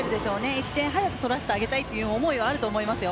１点早く取らせてあげたいという思いはあると思いますよ。